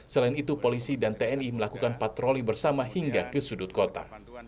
selain itu polisi dan tni melakukan patroli bersama hingga ke sudut kota